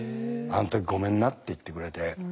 あん時ごめんなって言ってくれて。